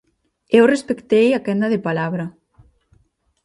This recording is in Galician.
Eu respectei a quenda de palabra.